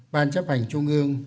ban chấp hành trung ương